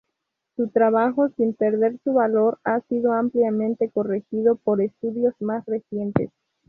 Su trabajo, sin perder su valor, ha sido ampliamente corregido por estudios más recientes.